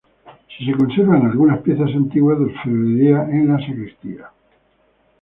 Sí se conservan algunas piezas antiguas de orfebrería en la sacristía.